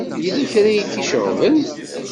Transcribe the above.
Yella kra ay k-iceɣben?